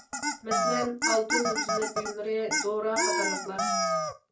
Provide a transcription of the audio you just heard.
مەسىلەن، ئالتۇن زىبۇ- زىننەت بۇيۇملىرى، دورا قاتارلىقلار.